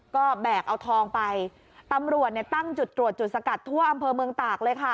ก็แบกเอาทองไปตำรวจเนี่ยตั้งจุดตรวจจุดสกัดทั่วอำเภอเมืองตากเลยค่ะ